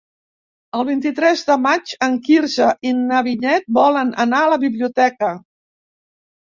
El vint-i-tres de maig en Quirze i na Vinyet volen anar a la biblioteca.